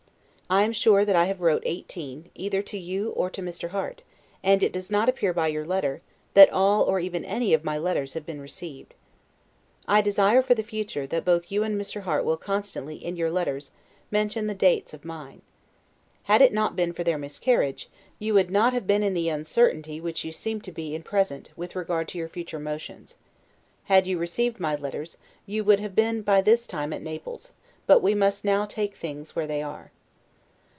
I am sure that I have wrote eighteen, either to you or to Mr. Harte, and it does not appear by your letter, that all or even any of my letters have been received. I desire for the future, that both you and Mr. Harte will constantly, in your letters, mention the dates of mine. Had it not been for their miscarriage, you would not have, been in the uncertainty you seem to be in at present, with regard to your future motions. Had you received my letters, you would have been by this time at Naples: but we must now take things where they are.